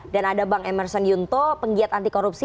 dan ada bang emerson yunto penggiat anti korupsi